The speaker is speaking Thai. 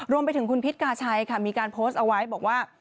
รวมไปถึงคุณพิษกาชัยค่ะมีการโพสต์เอาไว้บอกว่า